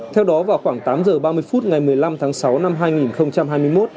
theo đó vào khoảng tám h ba mươi phút ngày một mươi năm tháng sáu năm hai nghìn hai mươi một